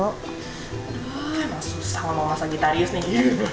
aduh susah banget masuk gitarius nih